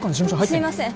すいません